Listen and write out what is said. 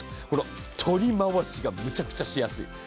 この取り回しがめちゃくちゃしやすい。